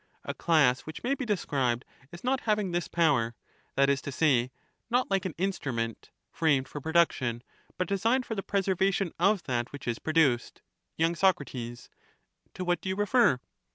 A class which may be described as not having this (a) vessels ; power*; that is to say, not like an instrument, framed for production, but designed for the preservation of that which is produced. y. Soc. To what do you refer